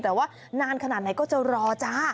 แต่ว่านานขนาดไหนก็จะรอจ้า